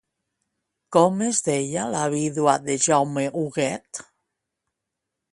Com es deia la vídua de Jaume Huguet?